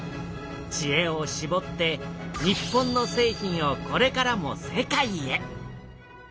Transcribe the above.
ちえをしぼって日本の製品をこれからも世界へ！